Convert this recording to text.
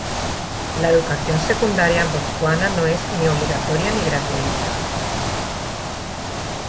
La educación secundaria en Botsuana no es ni obligatoria ni gratuita.